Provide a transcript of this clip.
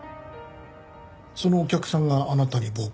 そのお客さんがあなたに暴行を？